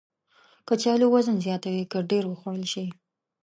کچالو وزن زیاتوي که ډېر وخوړل شي